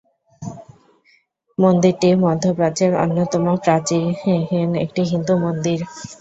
মন্দিরটি মধ্যপ্রাচ্যের অন্যতম প্রাচীন একটি হিন্দু মন্দির।